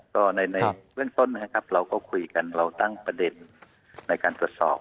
ก็ในเบื้องต้นนะครับเราก็คุยกันเราตั้งประเด็นในการตรวจสอบ